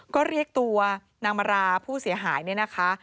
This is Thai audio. ก็เรียกตัวนางมาราผู้เสียหายเนี่ยนะคะ